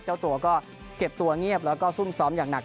เจ้าตัวก็เก็บตัวเงียบแล้วก็ซุ่มซ้อมอย่างหนัก